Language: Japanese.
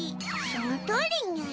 そのとおりにゅい。